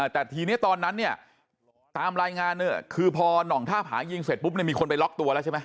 แต่ทีนี้ตอนนั้นเนี่ยตามรายงานเนี่ยคือพอหน่องท่าผายิงเสร็จปุ๊บเนี่ยมีคนไปล็อกตัวแล้วใช่ไหม